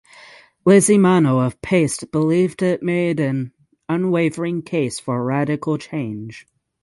Lizzie Manno of "Paste" believed it made an "unwavering case for radical change".